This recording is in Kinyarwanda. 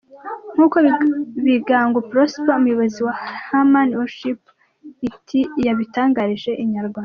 Nkuko Bigangu Prosper umuyobozi wa Heman worshipers Int’l yabitangarije Inyarwanda.